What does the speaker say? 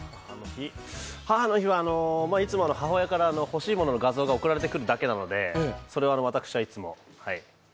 母の日はいつも母親から欲しい物の画像が送られてくるだけなので、それを私はいつも。